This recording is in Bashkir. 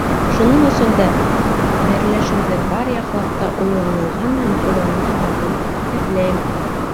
Шуның өсөн дә берләшеүҙе бар яҡлап та уйланылған һәм урынлы аҙым тип иҫәпләйем.